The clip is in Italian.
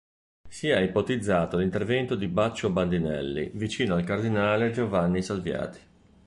Si è ipotizzato l'intervento di Baccio Bandinelli, vicino al Cardinale Giovanni Salviati.